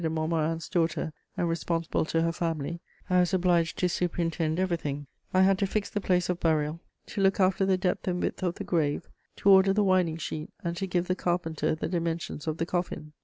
de Montmorin's daughter and responsible to her family, I was obliged to superintend everything; I had to fix the place of burial, to look after the depth and width of the grave, to order the winding sheet and to give the carpenter the dimensions of the coffin.